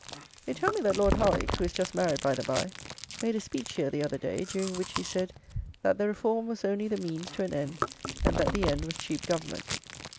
They tell me that Lord Howick, who is just married by the by, made a speech here the other day, during which he said, "that the Reform was only the means to an end; and that the end was cheap government."